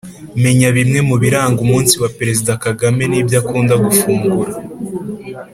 menya bimwe mu biranga umunsi wa perezida kagame n’ibyo akunda gufungura